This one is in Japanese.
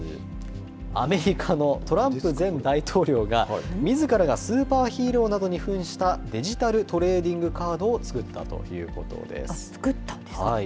アメリカのトランプ前大統領が、みずからがスーパーヒーローなどにふんしたデジタルトレーディン作ったんですか。